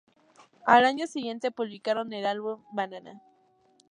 Al año siguiente publicaron el álbum "Banana".